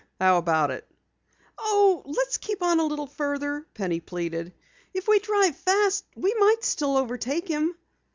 "How about it?" "Oh, let's keep on a little farther," Penny pleaded. "If we drive fast we might still overtake him."